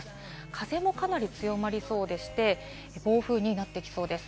風もかなり強まりそうでして、暴風になっていきそうです。